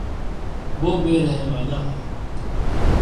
وہ بے رحمانہ ہے